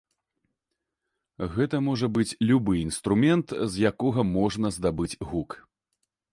Гэта можа быць любы інструмент з якога можна здабыць гук.